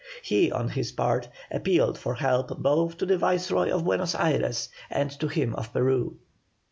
He, on his part, appealed for help both to the Viceroy of Buenos Ayres and to him of Peru.